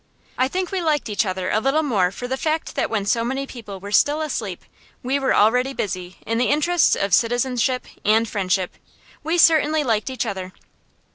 I think we liked each other a little the more for the fact that when so many people were still asleep, we were already busy in the interests of citizenship and friendship. We certainly liked each other.